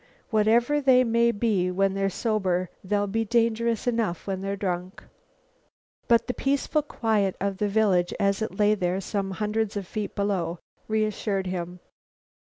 Whatever they may be when they're sober, they'll be dangerous enough when drunk." But the peaceful quiet of the village, as it lay there some hundreds of feet below, reassured him.